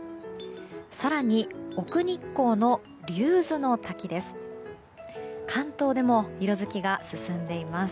更に奥日光の竜頭ノ滝です。